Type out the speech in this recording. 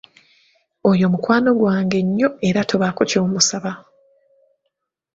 Oyo mukwano gwange nnyo era tobaako ky'omusaba.